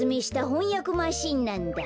ほんやくマシーンなんだ。